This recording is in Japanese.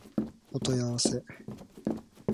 お問い合わせ